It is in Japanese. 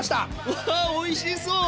うわおいしそう！